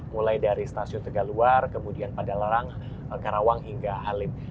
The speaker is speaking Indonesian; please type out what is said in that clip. mulai dari stasiun tegaluar kemudian padalarang karawang hingga halim